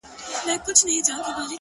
o زه چـي په باندي دعوه وكړم،